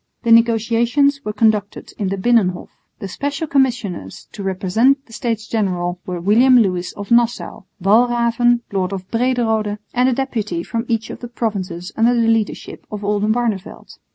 The negotiations were conducted in the Binnenhof. The Special Commissioners to represent the States General were William Lewis of Nassau, Walraven, lord of Brederode, and a deputy from each of the provinces under the leadership of Oldenbarneveldt.